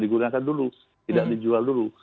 digunakan dulu tidak dijual dulu